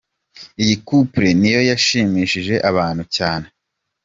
Iyi 'couple' niyo yashimishije abantu cyane.